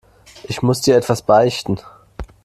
Ich muss dir etwas beichten.